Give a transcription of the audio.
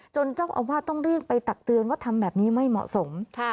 เจ้าอาวาสต้องเรียกไปตักเตือนว่าทำแบบนี้ไม่เหมาะสม